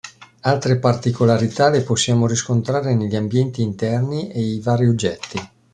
Altre particolarità le possiamo riscontrare negli ambienti interni e i vari oggetti.